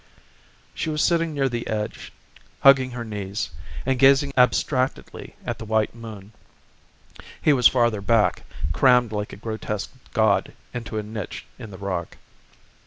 She was sitting near the edge, hugging her knees and gazing abstractedly at the white moon; he was farther back, crammed like a grotesque god into a niche in the rock.